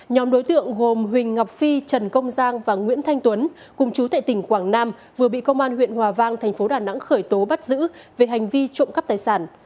nhóm đối tượng gồm huỳnh ngọc phi trần công giang và nguyễn thanh tuấn cùng chú tại tỉnh quảng nam vừa bị công an huyện hòa vang thành phố đà nẵng khởi tố bắt giữ về hành vi trộm cắp tài sản